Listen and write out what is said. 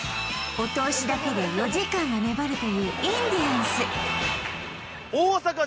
お通しだけで４時間は粘るというインディアンス